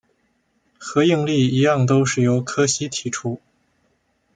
和应力一样都是由柯西提出。